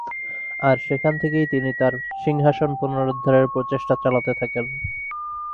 আর সেখান থেকেই তিনি তার সিংহাসন পুনরুদ্ধারের প্রচেষ্টা চালাতে থাকেন।